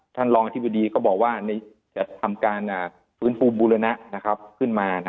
ท่านรองอธิบดีก็บอกว่าจะทำการฟื้นฟูบูรณะขึ้นมา